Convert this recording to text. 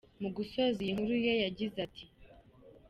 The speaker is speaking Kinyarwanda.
Mu gusoza iyi nkuru ye yagize ati ".